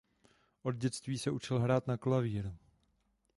Od dětství se učil hrát na klavír.